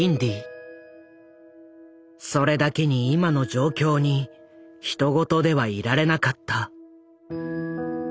それだけに今の状況にひと事ではいられなかった。